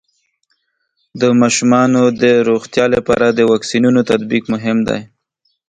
د ماشومانو د روغتیا لپاره د واکسینونو تطبیق مهم دی.